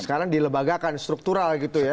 sekarang dilebagakan struktural gitu ya